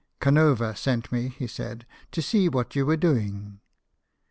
" Canova sent me," he said, " to see what you were doing."